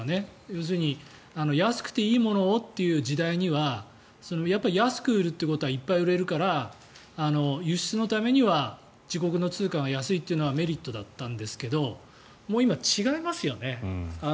要するに安くていいものをという時代にはやっぱり安く売ることということはいっぱい売れるから輸出のためには自国の通貨が安いというのはメリットだったんですけど今、違いますよね。